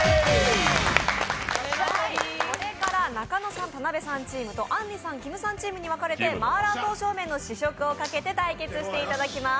これから中野さん、田辺さんチームとあんりさん、きむさんチームに分かれてマーラー刀削麺の試食をかけて対決していただきます。